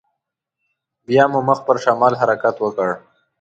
بيا مو مخ پر شمال حرکت وکړ.